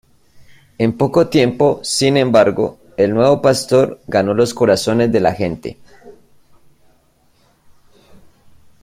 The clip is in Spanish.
En poco tiempo, sin embargo, el nuevo pastor ganó los corazones de la gente.